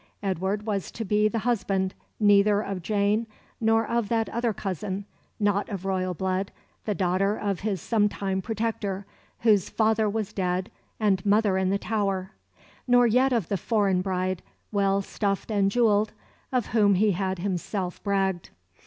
Edward was to be the husband neither of Jane nor of that other cousin, not of royal blood, the daughter of his sometime Protector, whose father was dead and mother in the Tower; nor yet of the foreign bride, well stuffed and jewelled, of whom he had himself bragged.